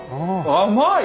甘い！